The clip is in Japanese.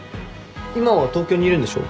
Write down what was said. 今は東京にいるんでしょ？